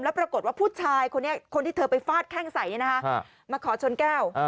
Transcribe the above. ปรากฏว่าผู้ชายคนนี้คนที่เธอไปฟาดแข้งใส่มาขอชนแก้ว